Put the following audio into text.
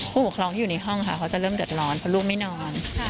ผู้ปกครองที่อยู่ในห้องค่ะเขาจะเริ่มเดือดร้อนเพราะลูกไม่นอน